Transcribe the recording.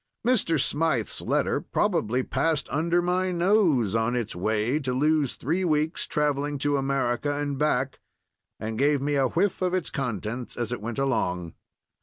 Mr. Smythe's letter probably passed under my nose on its way to lose three weeks traveling to America and back, and gave me a whiff of its contents as it went along.